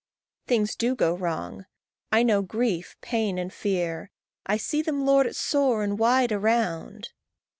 "Things do go wrong. I know grief, pain, and fear. I see them lord it sore and wide around."